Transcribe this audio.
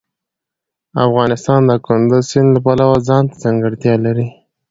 افغانستان د کندز سیند له پلوه ځانته ځانګړتیا لري.